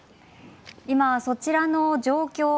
今、そちらの状況